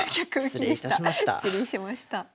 失礼しました。